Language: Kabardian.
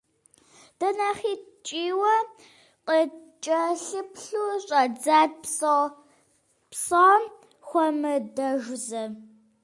Дэ нэхъри ткӀийуэ къыткӀэлъыплъу щӀадзат, псом хуэмыдэжу сэ.